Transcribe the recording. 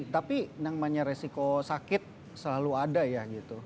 tapi namanya resiko sakit selalu ada ya gitu